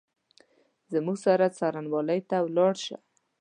زموږ سره څارنوالۍ ته ولاړ شه !